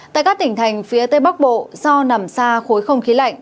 tại các tỉnh thành phía tây bắc bộ do nằm xa khối không khí lạnh